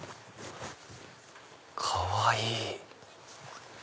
かわいい！